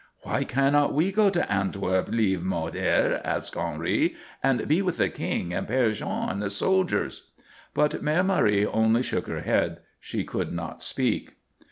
"Why cannot we go to Antwerp, lieve moeder," asked Henri, "and be with the King and Père Jean and the soldiers?" But Mère Marie only shook her head; she could not speak.